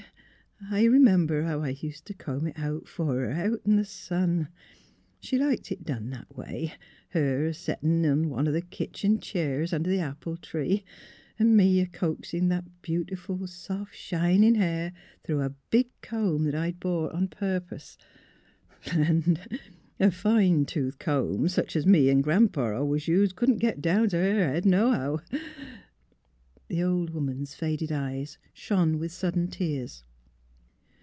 I r 'member how I used t' comb it fer her, out in the sun. ... She liked it done that way. — Her a settin' in one o' th' kitchen cheers under the apple tree, an' me a coaxin' that beautiful, soft, shinin' hair through a big comb THE OKNES 85 I'd bought a purpose. Land! a fine tooth comb, sech es me an' Gran 'pa always used, couldn't get down t' her head nohow. ..." The old woman's faded eyes shone with sudden tears.